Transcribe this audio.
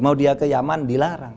mau dia ke yaman dilarang